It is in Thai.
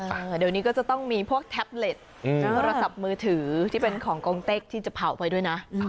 เดี๋ยวนี้ก็จะต้องมีพวกแท็บเล็ตโทรศัพท์มือถือที่เป็นของกองเต็กที่จะเผาไปด้วยนะ